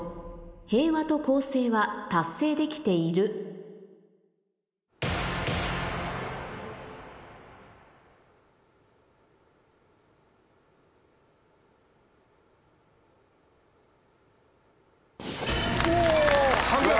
「平和と公正」は達成できているお半分。